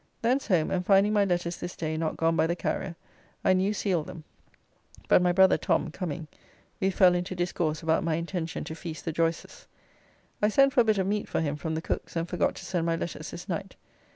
Thence home, and finding my letters this day not gone by the carrier I new sealed them, but my brother Tom coming we fell into discourse about my intention to feast the Joyces. I sent for a bit of meat for him from the cook's, and forgot to send my letters this night.